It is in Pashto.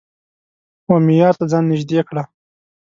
و معیار ته ځان نژدې کړه